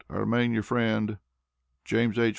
I remain your friend, JAMES H.